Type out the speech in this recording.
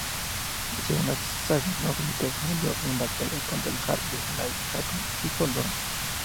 Según las sagas nórdicas, murió en batalla contra el jarl de Lade, Håkon Sigurdsson.